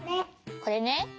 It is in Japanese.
これね？